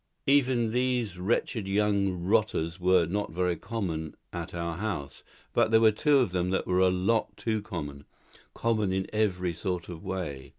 Even these wretched young rotters were not very common at our house; but there were two of them that were a lot too common common in every sort of way.